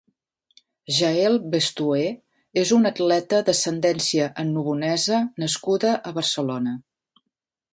Jaël Bestué és una atleta d'ascendència annobonesa nascuda a Barcelona.